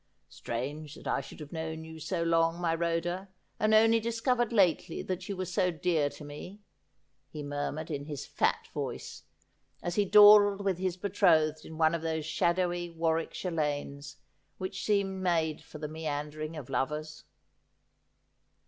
' Strange that I should have known you so long, my Rhoda, and only dis covered lately that you were so dear to me,' he murmured in his fat voice, as he dawdled with his betrothed in one of those shadowy Warwickshire lanes which seem made for the meandering of lovers.